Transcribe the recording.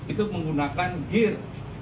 itu menggunakan gear